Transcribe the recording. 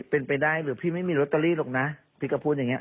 เป็นไปได้หรือพี่ไม่มีลอตเตอรี่หรอกนะพี่ก็พูดอย่างนี้